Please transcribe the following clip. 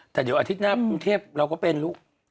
แต่เดี๋ยวอาทิตย์หน้ากรุงเทพเราก็เป็นลูก